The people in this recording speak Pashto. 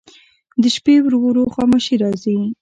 د شپې ورو ورو خاموشي راځي.